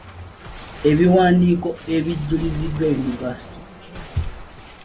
Ebiwandiiko ebijuliziddwa Univerisity.